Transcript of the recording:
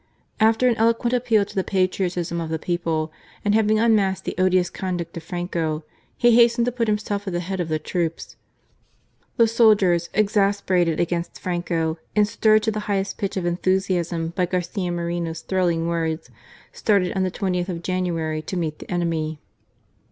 After an eloquent appeal to the patriotism of the people, and having unmasked the odious conduct of Franco, he hastened to put himself at the head of the troops. The soldiers, exasperated against Franco and stirred to the highest pitch of enthusiasm by Garcia Moreno's thrilling words, started on the 20th of January to meet the enemy.